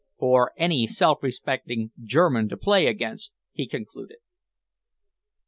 "For any self respecting German to play against," he concluded.